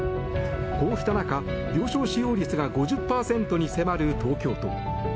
こうした中、病床使用率が５０％に迫る東京都。